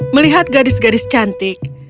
melihat gadis gadis cantik